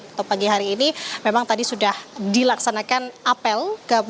atau pagi hari ini memang tadi sudah dilaksanakan apel